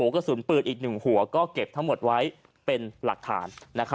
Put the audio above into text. กระสุนปืนอีก๑หัวก็เก็บทั้งหมดไว้เป็นหลักฐาน